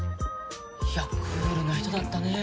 いやクールな人だったね。